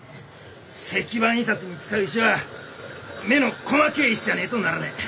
石版印刷に使う石は目の細けえ石じゃねえとならねえ。